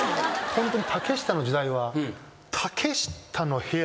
ホントに。